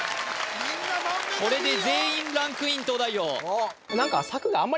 これで全員ランクイン東大王